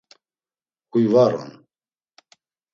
Huy var on.